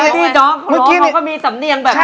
ใช่น้องพี่ตบคนร้องมันก็มีสำเนียงแบบนี้นะ